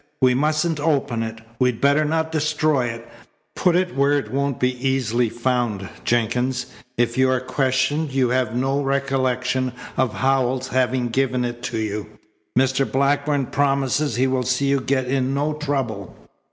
We mustn't open it. We'd better not destroy it. Put it where it won't be easily found, Jenkins. If you are questioned you have no recollection of Howells having given it to you. Mr. Blackburn promises he will see you get in no trouble."